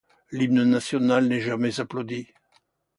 L'hymne national n'est jamais applaudi.